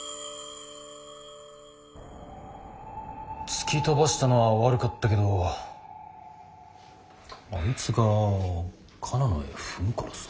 突き飛ばしたのは悪かったけどあいつがカナの絵踏むからさ。